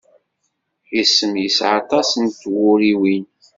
Isem yesεa aṭas n twuriwin.